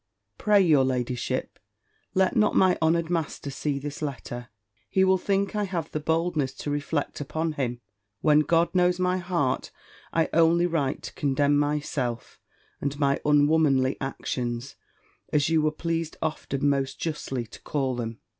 "Pray your ladyship, let not my honoured master see this letter. He will think I have the boldness to reflect upon him: when, God knows my heart, I only write to condemn myself, and my unwomanly actions, as you were pleased often most justly to call them.